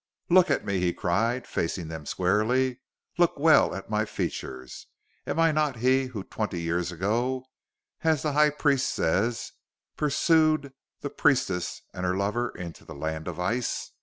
"Look at me!" he cried, facing them squarely. "Look well at my features! Am I not he who twenty years ago as the High Priest says pursued the priestess and her lover into the land of ice?